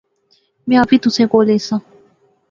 میں آپی تسیں کول ایساں